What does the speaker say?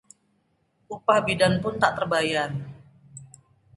Upah bidan pun tak terbayar